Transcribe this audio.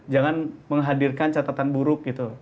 jangan menghadirkan catatan buruk gitu